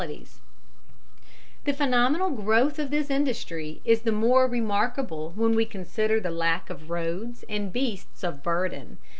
"] The phenomenal growth of this industry is the more remarkable when we consider the lack of roads and beasts of burden.